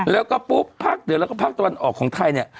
แล้วก็ปุ๊บพักเดี๋ยวแล้วก็พักตอนออกของไทย